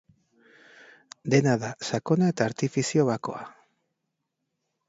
Dena da sakona eta artifizio bakoa.